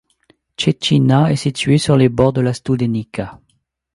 Čečina est située sur les bords de la Studenica.